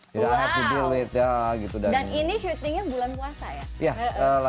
dan ini syutingnya bulan puasa ya